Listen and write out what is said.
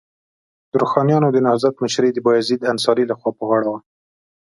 د روښانیانو د نهضت مشري د بایزید انصاري لخوا پر غاړه وه.